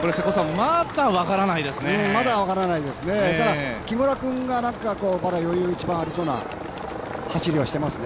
まだ分からないですね、木村君が、まだ余裕が一番ありそうな走りをしてますね。